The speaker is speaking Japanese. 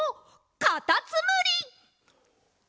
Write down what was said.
かたつむり！